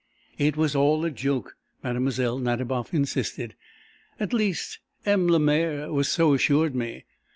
"It was all a joke," Mlle Nadiboff insisted. "At least, M. Lemaire so assured me.